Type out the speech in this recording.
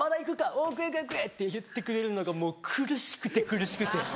おぉ食え食え食え！」って言ってくれるのがもう苦しくて苦しくて。